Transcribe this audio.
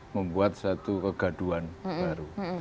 membuat satu kegaduan baru